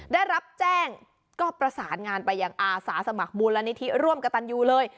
ได้รับแจ้งก็ประสานงานไปอย่างอาสาสมัครบูลรณิทรร่วมกันตอนนี้เลย